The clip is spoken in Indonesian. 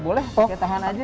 boleh pakai tangan saja